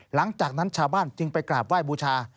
หลังจากนั้นชาวบ้านจึงไปกราบไหว้บูชา